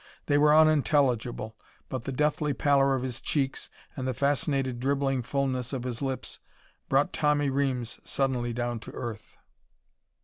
They were unintelligible, but the deathly pallor of his cheeks, and the fascinated, dribbling fullness of his lips brought Tommy Reames suddenly down to earth.